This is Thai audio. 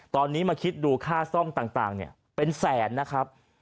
ตอนนี้มาคิดดูค่าซ่อมต่างเป็นแสนนะครับ